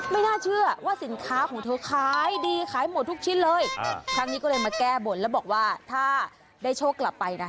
น่าเชื่อว่าสินค้าของเธอขายดีขายหมดทุกชิ้นเลยครั้งนี้ก็เลยมาแก้บนแล้วบอกว่าถ้าได้โชคกลับไปนะ